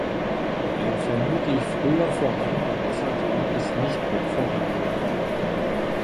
Ein vermutlich früher vorhandener Wassergraben ist nicht mehr vorhanden.